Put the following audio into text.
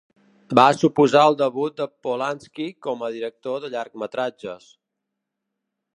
Va suposar el debut de Polanski com a director de llargmetratges.